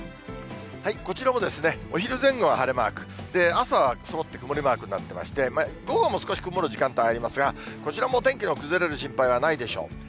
こちらもお昼前後は晴れマーク、朝はそろって曇りマークになってまして、午後も少し曇る時間帯がありますが、こちらもお天気の崩れる心配はないでしょう。